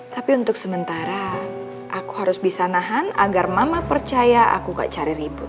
tapi untuk sementara aku harus bisa nahan agar mama percaya aku gak cari ribut